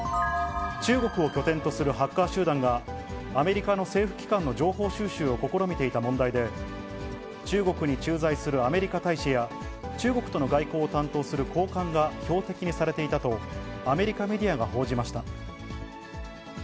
中国を拠点とするハッカー集団が、アメリカの政府機関の情報収集を試みていた問題で、中国に駐在するアメリカ大使や、中国との外交を担当する高官が標的にされていたと、アメリカメディアが報じました。